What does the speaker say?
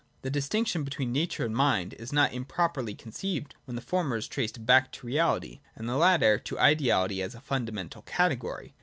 The distinction between Nature and Mind is not improperly conceived, when the former is traced back to reality, and the latter to ideality as a fundamental category.